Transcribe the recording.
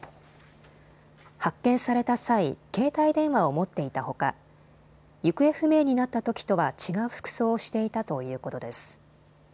発見された際、携帯電話を持っていたほか行方不明になったときとは違う服装をしていたということです。